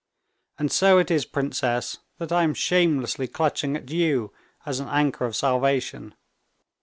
"And so it is, princess, that I am shamelessly clutching at you as an anchor of salvation.